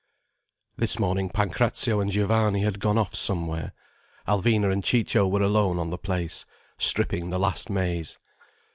This morning Pancrazio and Giovanni had gone off somewhere, Alvina and Ciccio were alone on the place, stripping the last maize.